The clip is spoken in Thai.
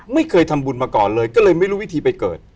ไม่เคยทำบุญมาก่อนเลยก็เลยไม่รู้วิธีไปเกิด